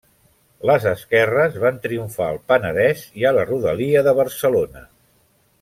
Les esquerres van triomfar al Penedès i a la rodalia de Barcelona.